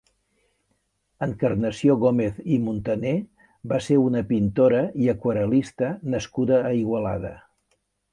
Encarnació Gómez i Montaner va ser una pintora i aquarel·lista nascuda a Igualada.